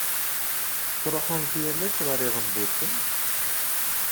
Tettṛuḥumt yal ass ɣer Iɣendusen?